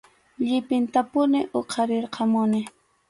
Llipintapuni huqarirqamuni.